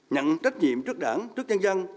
nhận trách nhiệm trước đảng trước nhân dân